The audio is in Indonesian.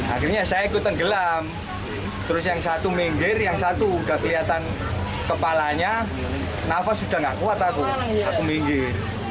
akhirnya saya ikut tenggelam terus yang satu minggir yang satu sudah kelihatan kepalanya nafas sudah nggak kuat aku minggir